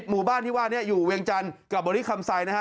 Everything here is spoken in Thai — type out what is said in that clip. ๑๐หมู่บ้านที่ว่าอยู่เวียงจันทร์กับบริคัมไส้